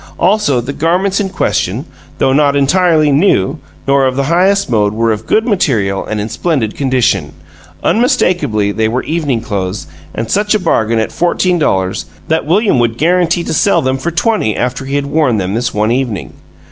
Also, the garments in question, though not entirely new, nor of the highest mode, were of good material and in splendid condition. Unmistakably they were evening clothes, and such a bargain at fourteen dollars that William would guarantee to sell them for twenty after he had worn them this one evening.